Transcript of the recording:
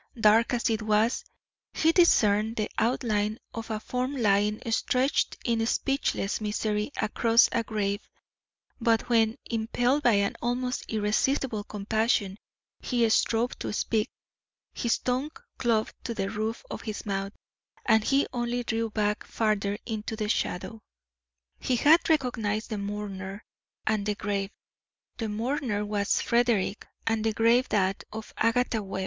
Dark as it was, he discerned the outline of a form lying stretched in speechless misery across a grave; but when, impelled by an almost irresistible compassion, he strove to speak, his tongue clove to the roof of his mouth and he only drew back farther into the shadow. He had recognised the mourner and the grave. The mourner was Frederick and the grave that of Agatha Webb.